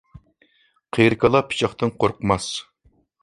قېرى كالا پىچاقتىن قورقماس.